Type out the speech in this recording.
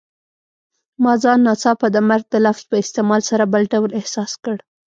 ما ځان ناڅاپه د مرګ د لفظ په استعمال سره بل ډول احساس کړ.